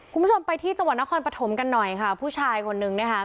คุณผู้ชมไปที่จังหวัดนครปฐมกันหน่อยค่ะผู้ชายคนนึงนะคะ